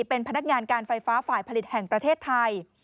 เป็นพนักงานการไฟฟ้าฝ่ายผลิตแห่งประเทศไทย